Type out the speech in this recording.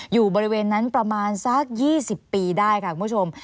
อยู่บริเวณนั้นประมาณสัก๒๐ปีได้ค่ะคุณผู้ชม